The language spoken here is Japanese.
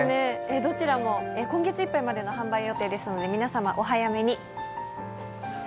どちらも今月いっぱいまでの販売よていなので皆様、お早めに。